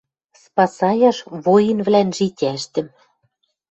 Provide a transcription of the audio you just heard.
Спасаяш воинвлӓн житяштӹм